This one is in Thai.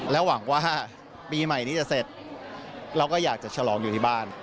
หวังว่าปีใหม่นี้จะเสร็จเราก็อยากจะฉลองอยู่ที่บ้าน